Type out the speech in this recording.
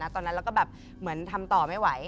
ตอนนั้นเราก็แบบเหมือนทำต่อไม่ไหว